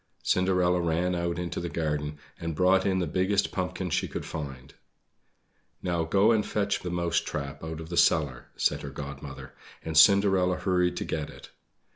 Cinderella ran out into the garden and brought in the biggest pumpkin that she could find. "Now go and fetch the mouse trap out of the cellar," said her Godmother, and Cinderella hurried to get it.